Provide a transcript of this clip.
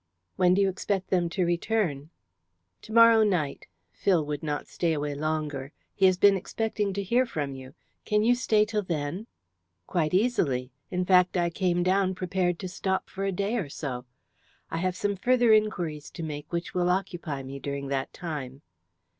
"When do you expect them to return?" "To morrow night. Phil would not stay away longer. He has been expecting to hear from you. Can you stay till then?" "Quite easily. In fact, I came down prepared to stop for a day or so. I have some further inquiries to make which will occupy me during that time."